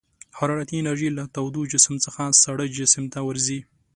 حرارتي انرژي له تود جسم څخه ساړه جسم ته ورځي.